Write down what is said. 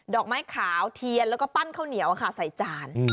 อกไม้ขาวเทียนแล้วก็ปั้นข้าวเหนียวค่ะใส่จาน